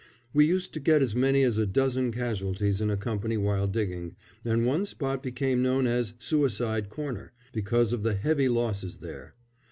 We used to get as many as a dozen casualties in a company while digging, and one spot became known as "Suicide Corner," because of the heavy losses there.